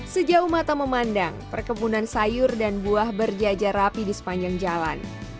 sejauh mata memandang perkebunan sayur dan buah berjajar rapi di sepanjang jalan